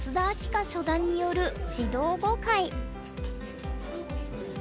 夏初段による指導碁会。